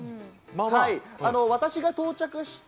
私が到着した